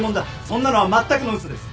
そんなのはまったくの嘘です。